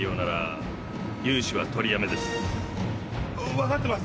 分かってます